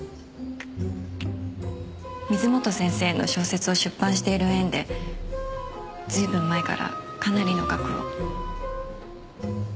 水元先生の小説を出版している縁で随分前からかなりの額を。